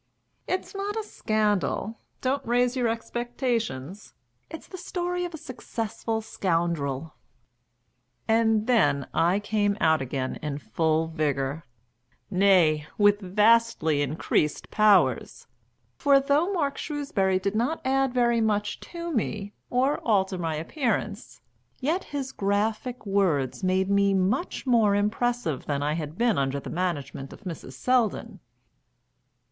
"It's not a scandal. Don't raise your expectations. It's the story of a successful scoundrel." And then I came out again in full vigour nay, with vastly increased powers; for though Mark Shrewsbury did not add very much to me, or alter my appearance, yet his graphic words made me much more impressive than I had been under the management of Mrs. Selldon.